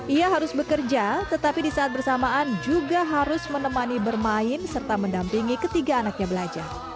ia harus bekerja tetapi di saat bersamaan juga harus menemani bermain serta mendampingi ketiga anaknya belajar